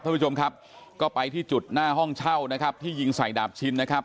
ท่านผู้ชมครับก็ไปที่จุดหน้าห้องเช่านะครับที่ยิงใส่ดาบชินนะครับ